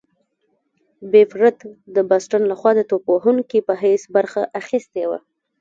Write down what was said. بېب رت د باسټن لخوا د توپ وهونکي په حیث برخه اخیستې وه.